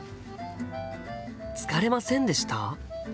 「疲れませんでした？」。